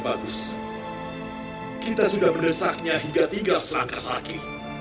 bagus kita sudah mendesaknya hingga tinggal selangkah lagi